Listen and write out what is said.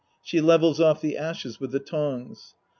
She levels off the ashes with the tongs.)